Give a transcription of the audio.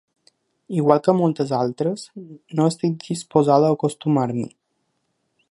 Igual que moltes altres, no estic disposada a acostumar-m’hi.